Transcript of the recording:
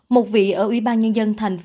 một vị ở ubnd tp hcm cùng đinh la thăng